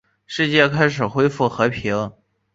世界开始恢复和平。